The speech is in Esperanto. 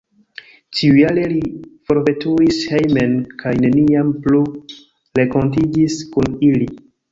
Tiujare li forveturis hejmen kaj neniam plu renkontiĝis kun ili.